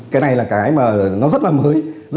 cái này là cái mà nó rất là mới